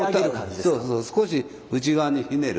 そうそう少し内側にひねる。